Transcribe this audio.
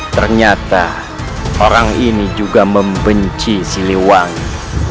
ternyata orang ini juga membenci siliwangi